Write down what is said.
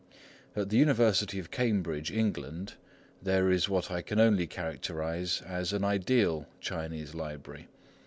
At the University of Cambridge, England, there is what I can only characterise as an ideal Chinese library.